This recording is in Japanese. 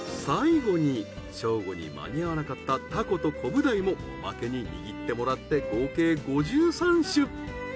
最後に正午に間に合わなかったタコとコブダイもおまけに握ってもらって合計５３種。